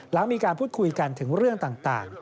หลังมีการพูดคุยกันถึงเรื่องต่าง